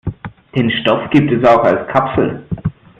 Den Stoff gibt es auch als Kapsel.